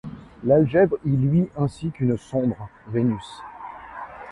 L’algèbre y luit ainsi qu’une sombre. Vénus. ;